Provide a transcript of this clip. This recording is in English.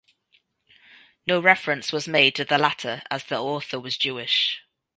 No reference was made to the latter as the author was Jewish.